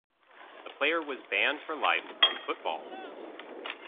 The player was banned for life from football.